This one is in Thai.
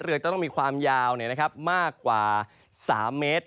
เรือจะต้องมีความยาวมากกว่า๓เมตร